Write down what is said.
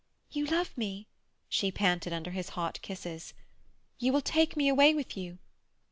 "You love me?" she panted under his hot kisses. "You will take me away with you?"